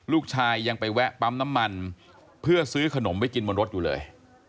ลูกชายยังไปแวะปั๊มน้ำมันเพื่อซื้อขนมไปกินบนรถอยู่เลย